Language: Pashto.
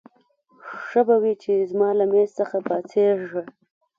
ښه به وي چې زما له مېز څخه پاڅېږې.